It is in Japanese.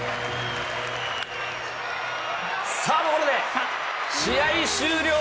サードゴロで試合終了！